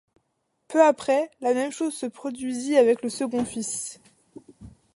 Peu après, la même chose se produisit avec le second fils.